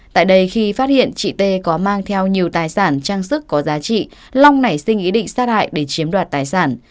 tại đây khi phát hiện chị t có mang theo nhiều tài sản trang sức có giá trị long nảy sinh ý định sát hại để chiếm đoạt tài sản